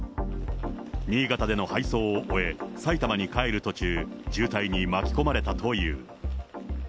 新潟での配送を終え、埼玉に帰る途中、渋滞に巻き込まれたという。